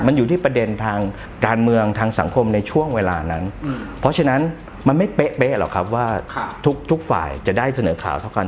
มันอยู่ที่ประเด็นทางการเมืองทางสังคมในช่วงเวลานั้นเพราะฉะนั้นมันไม่เป๊ะหรอกครับว่าทุกฝ่ายจะได้เสนอข่าวเท่ากัน